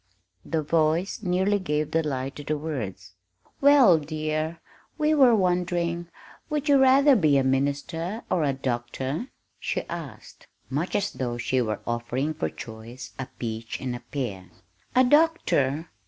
The voice nearly gave the lie to the words. "Well, dear, we were wondering would you rather be a minister or a doctor?" she asked, much as though she were offering for choice a peach and a pear. "A doctor!"